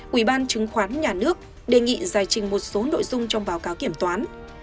ủy ban chứng khoán nhà nước đề nghị giải trình một số nội dung trong báo cáo kiểm toán